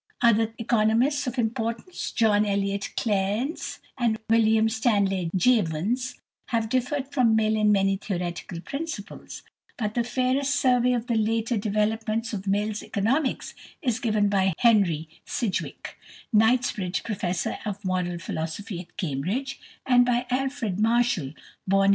Other economists of importance, =John Elliott Cairnes (1824 1875)= and =William Stanley Jevons (1835 1882)=, have differed from Mill in many theoretic principles; but the fairest survey of the later developments of Mill's economics is given by =Henry Sidgwick (1838 )=, Knightbridge Professor of Moral Philosophy at Cambridge, and by Alfred Marshall (born 1842).